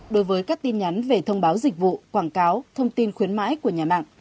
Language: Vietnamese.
đối với các tin nhắn về thông báo dịch vụ quảng cáo thông tin khuyến mãi của nhà mạng